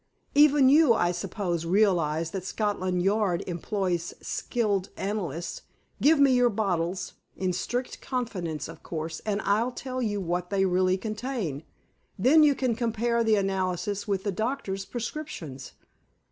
"Even you, I suppose, realize that Scotland Yard employs skilled analysts. Give me your bottles, in strict confidence, of course, and I'll tell you what they really contain. Then you can compare the analyses with the doctor's prescriptions.